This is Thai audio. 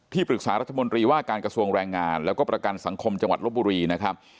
ปรึกษารัฐมนตรีว่าการกระทรวงแรงงานแล้วก็ประกันสังคมจังหวัดลบบุรีนะครับ